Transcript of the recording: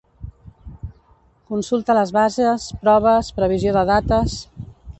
Consulta les bases, proves, previsió de dates...